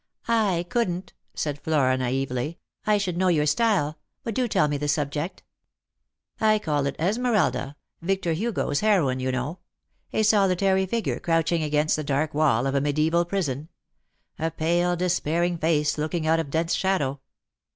" J couldn't," said Flora naively ;" I should know your style. But do tell me the subject." " I call it ' Esmeralda' — Victo Hugo's heroine, you know. A solitary figure crouching against the dark wall of a mediaeval prison. A pale despairing face looking out of dense shadow."